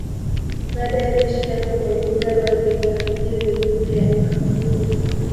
Baada ya kuishi hapo kwa muda waliparamia milima ya Ukaguru